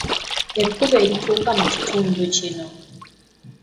Ekkubo erituuka mu kitundu kino